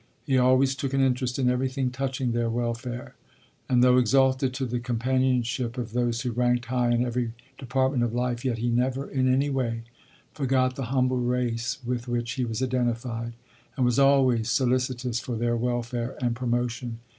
He always took an interest in everything touching their welfare, and though exalted to the companionship of those who ranked high in every department of life, yet he never in any way forgot the humble race with which he was identified, and was always solicitous for their welfare and promotion.